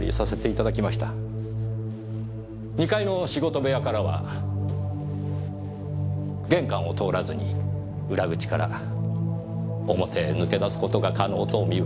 ２階の仕事部屋からは玄関を通らずに裏口から表へ抜け出す事が可能とお見受けしました。